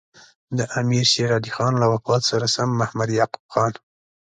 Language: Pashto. د امیر شېر علي خان له وفات سره سم محمد یعقوب خان.